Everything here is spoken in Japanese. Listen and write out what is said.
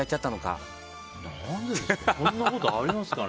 そんなことありますかね。